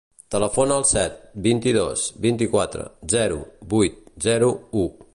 Telefona al set, vint-i-dos, vint-i-quatre, zero, vuit, zero, u.